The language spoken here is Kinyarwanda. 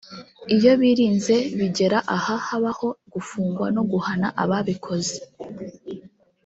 iyo birinze bigera aha habaho gufungwa no guhana ababikoze